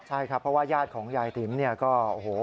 ใช่ครับเพราะว่าญาติของยายติ๋มเนี่ยก็โอ้โห